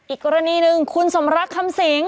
อีกกรณีหนึ่งคุณสมรักคำสิง